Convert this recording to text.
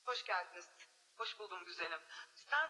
Huathiri wanyama wengi